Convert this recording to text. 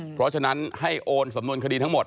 เพราะฉะนั้นให้โอนสำนวนคดีทั้งหมด